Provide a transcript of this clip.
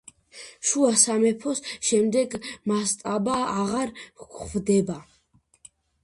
შუა სამეფოს შემდეგ მასტაბა აღარ გვხვდება.